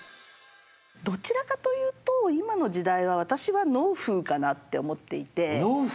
どちらかというと今の時代は私は「ノウフー」かなって思っていて。